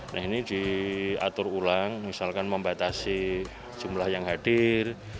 nah ini diatur ulang misalkan membatasi jumlah yang hadir